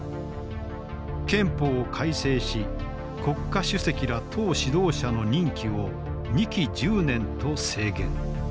憲法を改正し国家主席ら党指導者の任期を２期１０年と制限。